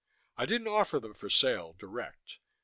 I didn't offer them for sale, direct.